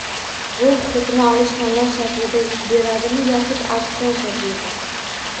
Bu huquqni olish tanlov shaklida yuz beradimi yoxud auksion shaklida